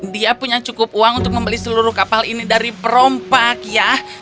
dia punya cukup uang untuk membeli seluruh kapal ini dari perompak ya